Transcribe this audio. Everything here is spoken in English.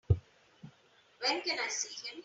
When can I see him?